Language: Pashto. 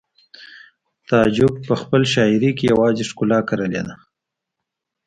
تعجب په خپله شاعرۍ کې یوازې ښکلا کرلې ده